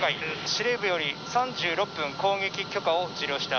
司令部より、３６分、攻撃許可を受領した。